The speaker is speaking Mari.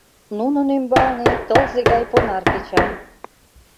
Нунын ӱмбалне тылзе гай понар кеча.